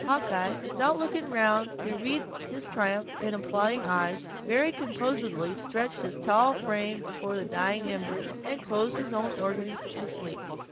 Hawkeye, without looking round to read his triumph in applauding eyes, very composedly stretched his tall frame before the dying embers, and closed his own organs in sleep.